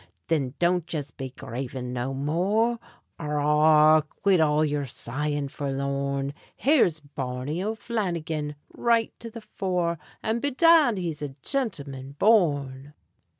Thin don't yez be gravin' no more; Arrah! quit all yer sighin' forlorn; Here's Barney O'Flannigan right to the fore, And bedad! he's a gintleman born!